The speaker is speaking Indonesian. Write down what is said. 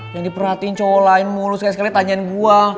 yang diperhatiin cowok lain mulu sekali sekali tanyain gue